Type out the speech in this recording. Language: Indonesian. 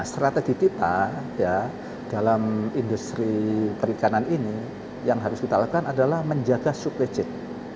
strategi kita dalam industri perikanan ini yang harus kita lakukan adalah menjaga supply chain